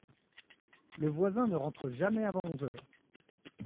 Le voisin ne rentre jamais avant onze heures.